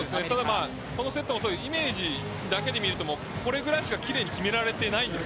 このセットもイメージだけで見るとこれぐらいしか奇麗に決められていないんです。